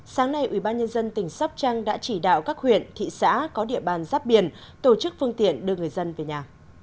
sáng nay ủy ban nhân dân tỉnh sóc trăng đã chỉ đạo các huyện thị xã có địa bàn rắp biển tổ chức phương tiện đưa người dân về nhà